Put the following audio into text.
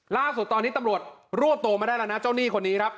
ล่าสุดตอนนี้ตำรวจรวบตัวมาได้แล้วนะเจ้าหนี้คนนี้ครับ